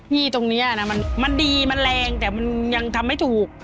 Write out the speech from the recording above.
นี่ตรงนี้นะมันดีมันแรงแต่มันยังทำไม่ถูก